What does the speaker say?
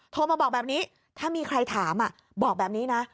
โทรมาบอกแบบนี้ถ้ามีใครถามบอกแบบนี้นะ